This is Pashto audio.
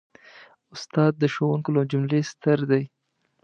استاد د ښوونکو له جملې ستر دی.